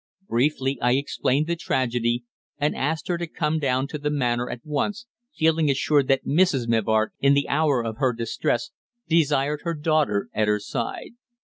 Briefly I explained the tragedy, and asked her to come down to the Manor at once, feeling assured that Mrs. Mivart, in the hour of her distress, desired her daughter at her side.